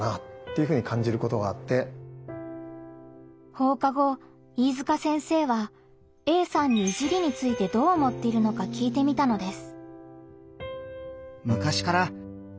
放課後飯塚先生はＡさんに「いじり」についてどう思っているのか聞いてみたのです。